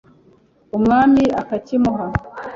umwami akakimuha